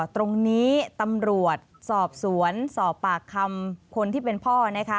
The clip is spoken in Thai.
ตรงนี้ตำรวจสอบสวนสอบปากคำคนที่เป็นพ่อนะคะ